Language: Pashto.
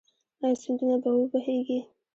آیا سیندونه به و بهیږي؟